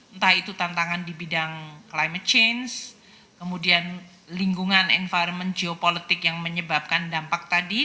entah itu tantangan di bidang climate change kemudian lingkungan environment geopolitik yang menyebabkan dampak tadi